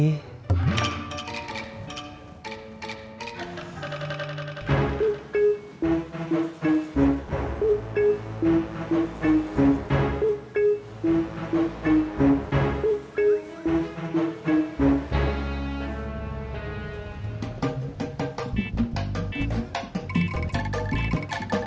makasih ya pak